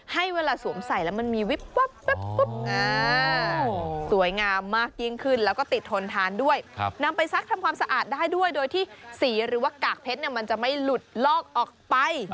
ให้เวลาสวมใส่แล้วมันมีวิบวับสวยงามมากยิ่งขึ้นแล้วก็ติดทนทานด้วยนำไปซักทำความสะอาดได้ด้วยโดยที่สีหรือว่ากากเพชรมันจะไม่หลุดลอกออกไป